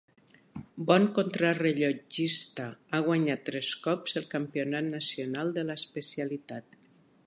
Bon contrarellotgista, ha guanyat tres cops el Campionat nacional de l'especialitat.